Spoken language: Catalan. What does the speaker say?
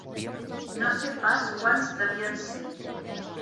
No sé pas quants devien ser.